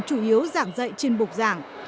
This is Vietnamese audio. chủ yếu giảng dạy trên bục giảng